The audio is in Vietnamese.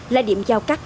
là điểm giao cắt